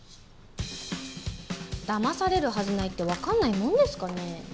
騙されるはずないってわかんないもんですかね。